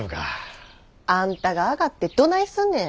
あんたがあがってどないすんねん！